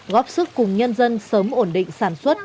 góp sức cùng nhân dân sớm ổn định sản xuất